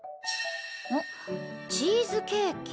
あっチーズケーキ。